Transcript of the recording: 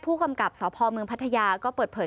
ผู้กำกับสพเมืองพัทยาก็เปิดเผย